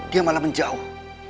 dia malah menjauh